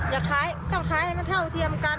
อยากขายต้องขายให้เพราะเหมือนมันเท่าเทียมกัน